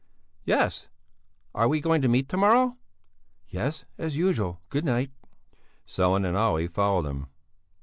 "Yes; are we going to meet to morrow?" "Yes, as usual. Good night." Sellén and Olle followed him.